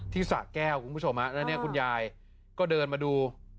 สะแก้วคุณผู้ชมแล้วเนี่ยคุณยายก็เดินมาดู